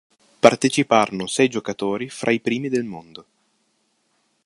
Partecipano sei giocatori fra i primi del mondo.